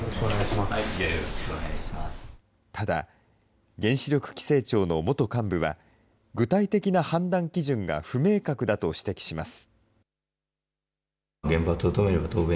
ただ、原子力規制庁の元幹部は、具体的な判断基準が不明確だと指摘します。